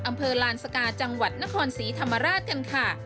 อำเภอลานสกาจังหวัดนครศรีธรรมราชกันค่ะ